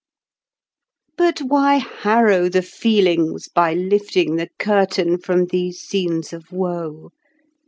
But why harrow the feelings by lifting the curtain From these scenes of woe?